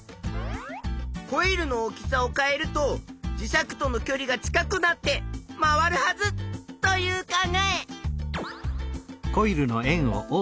コイルの大きさを変えると磁石とのきょりが近くなって回るはずという考え。